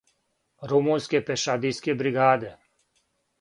Румунске пешадијске бригаде.